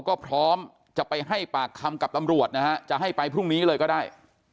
ก็พร้อมจะไปให้ปากคำกับตำรวจนะฮะจะให้ไปพรุ่งนี้เลยก็ได้